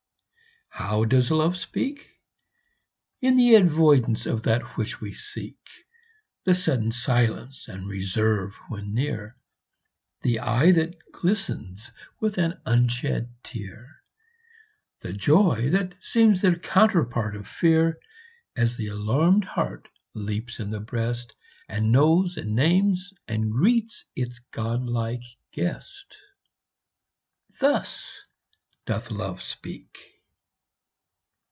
How does Love speak? In the avoidance of that which we seek The sudden silence and reserve when near The eye that glistens with an unshed tear The joy that seems the counterpart of fear, As the alarmed heart leaps in the breast, And knows and names and greets its godlike guest Thus doth Love speak.